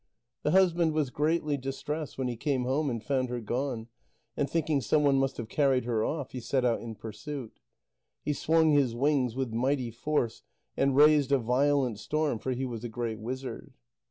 The husband was greatly distressed when he came home and found her gone, and thinking someone must have carried her off, he set out in pursuit. He swung his wings with mighty force, and raised a violent storm, for he was a great wizard.